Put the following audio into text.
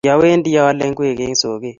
kiawendi aale ngwek eng' soket